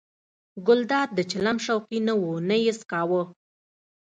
ګلداد د چلم شوقي نه و نه یې څکاوه.